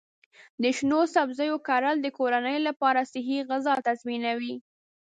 د شنو سبزیو کرل د کورنۍ لپاره صحي غذا تضمینوي.